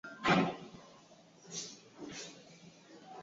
Alikubali kuwa yeye alichangia kuuawa kwa Biko na askari